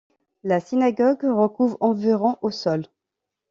La synagogue recouvre environ au sol.